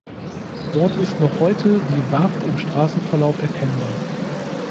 Dort ist noch heute die Warft im Straßenverlauf erkennbar.